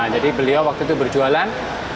jadi beliau waktu itu berjualan